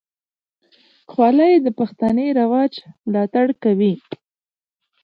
خولۍ د پښتني رواج ملاتړ کوي.